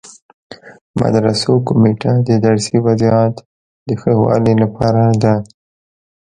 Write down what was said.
مدرسو کمیټه د درسي وضعیت د ښه والي لپاره ده.